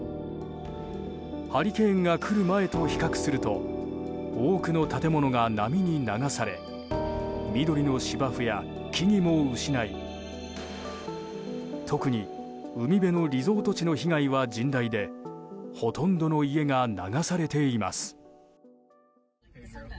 ハリケーンが来る前と比較すると多くの建物が波に流され緑の芝生や木々も失い特に、海辺のリゾート地の被害は甚大でほとんどの家が流されています。